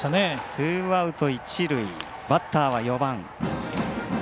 ツーアウト、一塁バッターは４番。